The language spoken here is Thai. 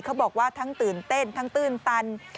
เขาบอกว่าทั้งตื่นเต้นทั้งตื้นตัน